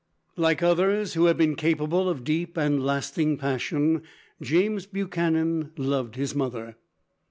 Like others, who have been capable of deep and lasting passion, James Buchanan loved his mother.